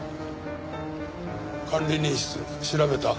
管理人室調べた？